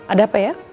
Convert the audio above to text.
ada apa ya